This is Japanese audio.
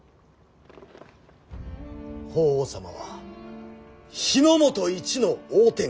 法皇様は日本一の大天狗。